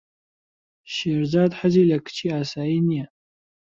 شێرزاد حەزی لە کچی ئاسایی نییە.